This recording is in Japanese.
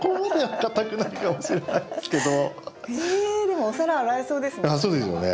でもお皿洗えそうですね。